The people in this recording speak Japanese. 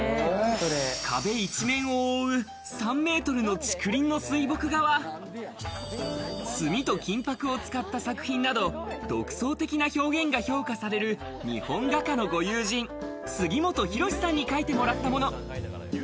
壁一面を覆う、３メートルの竹林の水墨画は、墨と金箔を使った作品など独創的な表現が評価される日本画家のご友人・杉本洋さんに描いてもらったもの。